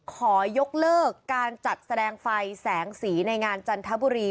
ขอยกเลิกการจัดแสดงไฟแสงสีในงานจันทบุรี